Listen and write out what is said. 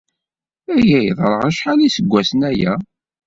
Aya yeḍra acḥal n yiseggasen aya.